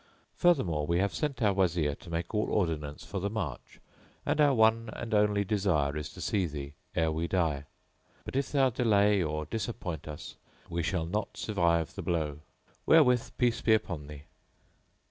Furthermore we have sent our Wazir to make all ordinance for the march, and our one and only desire is to see thee ere we die; but if thou delay or disappoint us we shall not survive the blow. Wherewith peace be upon thee!"